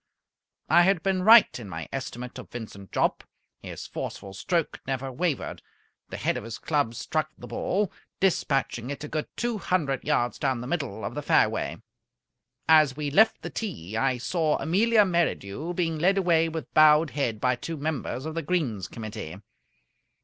I had been right in my estimate of Vincent Jopp. His forceful stroke never wavered. The head of his club struck the ball, despatching it a good two hundred yards down the middle of the fairway. As we left the tee I saw Amelia Merridew being led away with bowed head by two members of the Greens Committee.